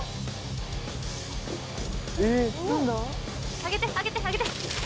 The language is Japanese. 上げて上げて上げて。